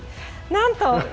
なんと！